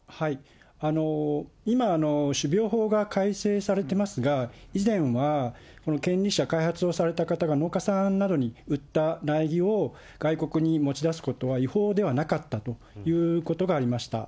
今、種苗法が改正されてますが、以前は権利者、開発をされた方が農家さんなどに売った苗木を、外国に持ち出すことは違法ではなかったということがありました。